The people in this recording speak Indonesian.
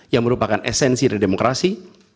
yang merupakan esensi dari demokrasi